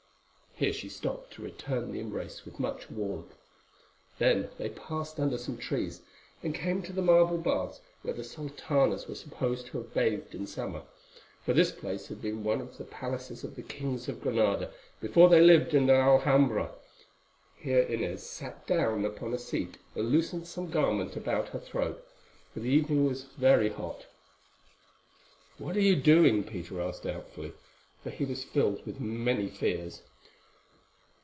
Here she stopped to return the embrace with much warmth. Then they passed under some trees, and came to the marble baths where the sultanas were supposed to have bathed in summer, for this place had been one of the palaces of the Kings of Granada before they lived in the Alhambra. Here Inez sat down upon a seat and loosened some garment about her throat, for the evening was very hot. "What are you doing?" Peter asked doubtfully, for he was filled with many fears.